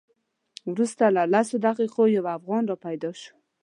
وروسته له لسو دقیقو یو افغان را پیدا شو.